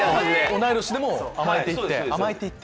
同い年でも甘えて行って。